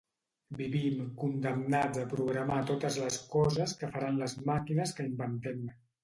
Vivim condemnats a programar totes les coses que faran les màquines que inventem.